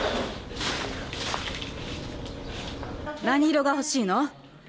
何色が欲しいの？